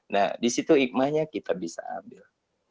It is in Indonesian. nah disitu hikmahnya kita bisa ambil